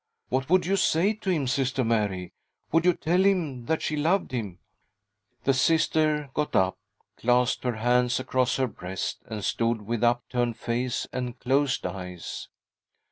" What would you say to him, Sister Mary ? Would you tell him that she loved him ?" The Sister got up, clasped her hands across her breast, and stood with upturned face and closed eyes.